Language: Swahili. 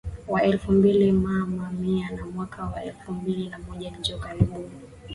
wa elfu mbili Mama Mia ya mwaka wa elfu mbili na moja Njo Karibu